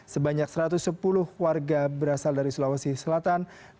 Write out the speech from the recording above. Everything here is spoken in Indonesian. sebanyak satu ratus sepuluh warga berasal dari sulawesi selatan